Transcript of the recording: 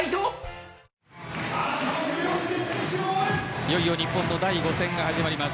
いよいよ日本の第５戦が始まります。